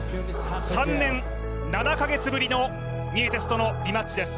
３年７カ月ぶりのニエテスとのリマッチです。